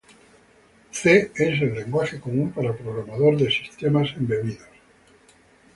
C es el lenguaje común para programar sistemas embebidos.